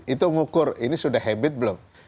itu ngukur ini sudah habit belum